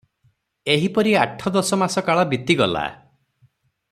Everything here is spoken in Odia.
ଏହିପରି ଆଠ ଦଶ ମାସ କାଳ ବିତିଗଲା ।